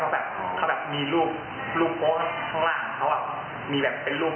เราโอนเงินให้เขากี่ครั้ง